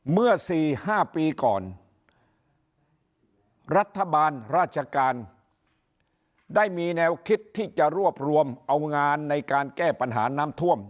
เมื่อ๔๕ปีก่อนรัฐบาลราชการได้มีแนวคิดที่จะรวบรวมเอางานในการแก้ปัญหาน้ำท่วม